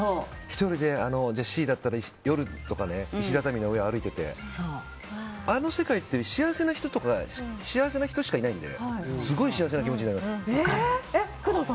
１人でシーだったら夜とか石畳の上歩いててあの世界って幸せな人しかいないんですごい幸せな気持ちになります。